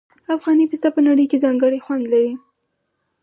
افغاني پسته په نړۍ کې ځانګړی خوند لري.